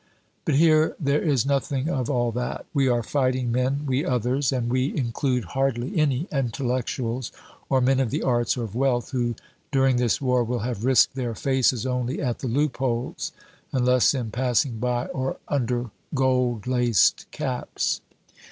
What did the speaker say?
But here there is nothing of all that. We are fighting men, we others, and we include hardly any intellectuals, or men of the arts or of wealth, who during this war will have risked their faces only at the loopholes, unless in passing by, or under gold laced caps.